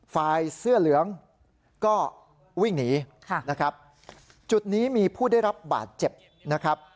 ฝ่ายเสื้อเหลืองก็วิ่งหนีค่ะนะครับจุดนี้มีผู้ได้รับบาดเจ็บนะครับ